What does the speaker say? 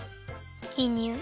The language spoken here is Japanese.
いいにおい。